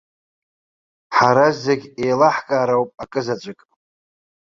Ҳара зегь еилаҳкаар ауп акызаҵәык.